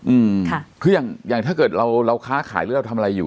อืมค่ะคืออย่างอย่างถ้าเกิดเราเราค้าขายหรือเราทำอะไรอยู่